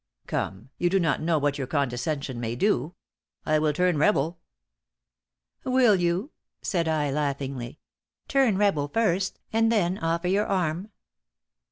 "'Come, you do not know what your condescension may do. I will turn rebel!' "'Will you?' said I, laughingly 'Turn rebel first, and then offer your arm.'